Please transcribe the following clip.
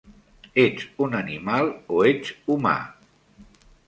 Ets un animal o ets humà?